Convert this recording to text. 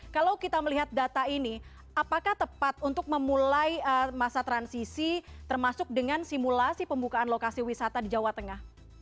kalau kita melihat data ini apakah tepat untuk memulai masa transisi termasuk dengan simulasi pembukaan lokasi wisata di jawa tengah